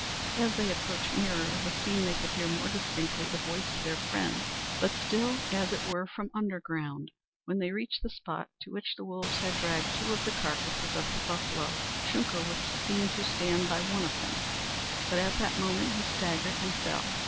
As they approached nearer the scene they could hear more distinctly the voice of their friend, but still as it were from underground. When they reached the spot to which the wolves had dragged two of the carcasses of the buffalo, Shunka was seen to stand by one of them, but at that moment he staggered and fell.